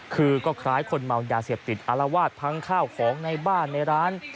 คือก็คล้ายคนเมายาเสพติดอารวาสพังข้าวของในบ้านในร้าน